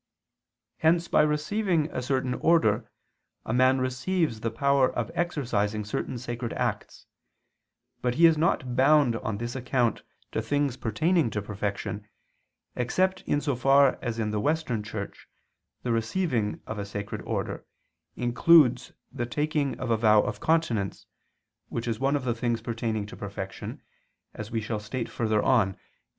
Hence by receiving a certain order a man receives the power of exercising certain sacred acts, but he is not bound on this account to things pertaining to perfection, except in so far as in the Western Church the receiving of a sacred order includes the taking of a vow of continence, which is one of the things pertaining to perfection, as we shall state further on (Q.